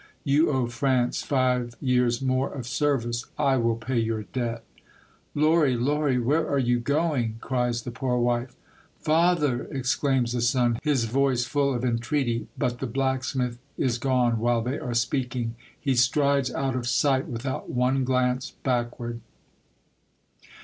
You owe France five years more of service. I will pay your debt." "Lory, Lory, where are you going?" cries the poor wife. " Father !" exclaims the son, his voice full of entreaty. But the blacksmith is gone while they are speaking. He strides out of sight without one glance backward.